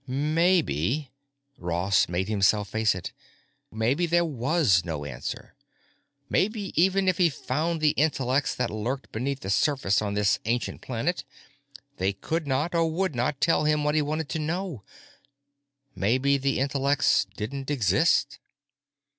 Maybe—Ross made himself face it—maybe there was no answer. Maybe even if he found the intellects that lurked beneath the surface on this ancient planet, they could not or would not tell him what he wanted to know. Maybe the intellects didn't exist.